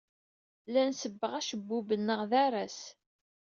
La nsebbeɣ acebbub-nneɣ d aras.